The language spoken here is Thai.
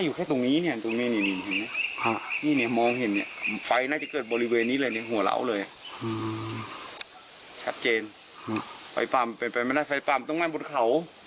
ชัดเจนไฟปลามันเป็นไปไม่ได้ไฟปลามันต้องไหม้บนเขา